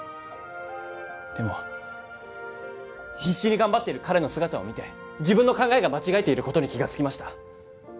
でも必死に頑張っている彼の姿を見て自分の考えが間違えていることに気がつきました